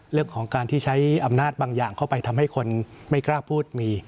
เรื่องของการที่ใช้อำนาจบางอย่างเข้าไปทำให้คนไม่กล้าพูดมี